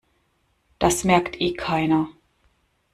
Das merkt eh keiner.